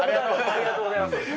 ありがとうございます。